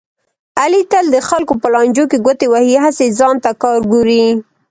علي تل د خلکو په لانجو کې ګوتې وهي، هسې ځان ته کار ګوري.